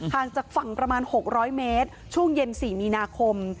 จากฝั่งประมาณ๖๐๐เมตรช่วงเย็น๔มีนาคม